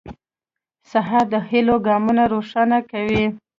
سهار د هيلو ګامونه روښانه کوي.